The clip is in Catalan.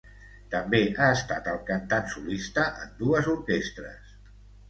També ha estat el cantant solista en dues orquestres.